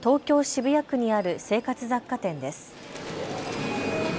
渋谷区にある生活雑貨店です。